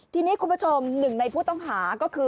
ทีนี้คุณผู้ชมหนึ่งในผู้ต้องหาก็คือ